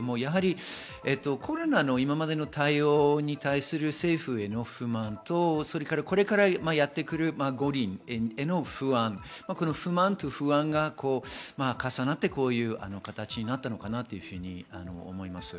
コロナの今までの対応に対する政府への不満と、これからやってくるん五輪への不安、不満と不安が重なって、こういう形になったのかなと思います。